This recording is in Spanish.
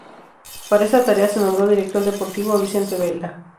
Para esta tarea se nombró director deportivo a Vicente Belda.